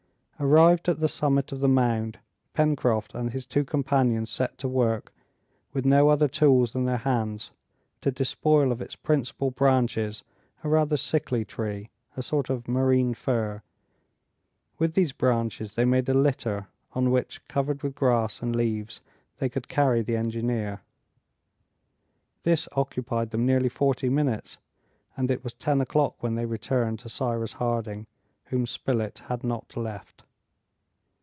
Arrived at the summit of the mound, Pencroft and his two companions set to work, with no other tools than their hands, to despoil of its principal branches a rather sickly tree, a sort of marine fir; with these branches they made a litter, on which, covered with grass and leaves, they could carry the engineer. This occupied them nearly forty minutes, and it was ten o'clock when they returned to Cyrus Harding whom Spilett had not left.